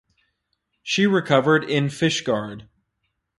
She recovered in Fishguard.